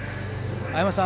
青山さん